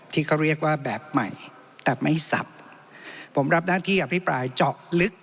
ที่เขาเรียกว่าแบบใหม่แต่ไม่สับผมรับหน้าที่อภิปรายเจาะลึก